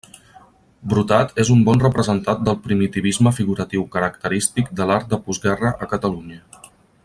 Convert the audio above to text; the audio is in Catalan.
Brotat és un bon representant del primitivisme figuratiu característic de l'art de postguerra a Catalunya.